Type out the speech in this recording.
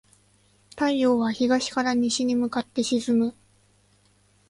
太陽は東から西に向かって沈む。